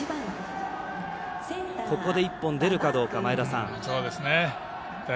ここで１本出るかどうか前田さん。